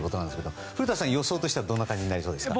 古田さん、予想としてはどんな感じになりそうですか。